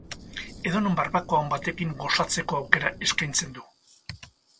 Edonon barbakoa on batekin gozatzeko aukera eskaintzen du.